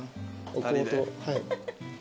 お香とはい。